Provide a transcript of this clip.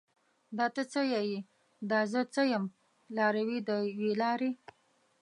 دا ته څه یې؟ دا زه څه یم؟ لاروي د یوې لارې